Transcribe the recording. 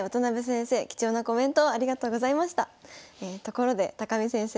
ところで見先生